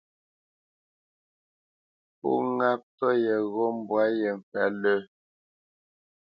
Pó ŋá pfə yeghó mbwǎ yé ŋkwɛ́t lə̂.